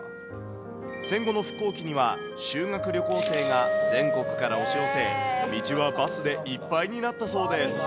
戦後の復興期には、修学旅行生が全国から押し寄せ、道はバスでいっぱいになったそうです。